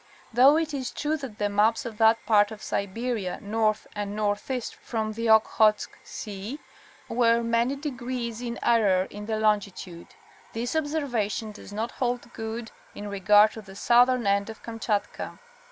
Though it is true that the maps of that part of Siberia north and northeast from the Okhotsk sea were many degrees in error in the longitude, this observation does not hold good in regard to the southern end of Kamchatka.